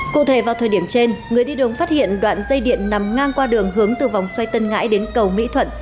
cụ thể vào thời điểm trên người đi đường phát hiện đoạn dây điện nằm ngang qua đường hướng từ vòng xoay tân ngãi đến cầu mỹ thuận